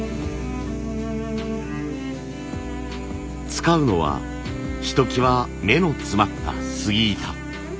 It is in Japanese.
使うのはひときわ目の詰まった杉板。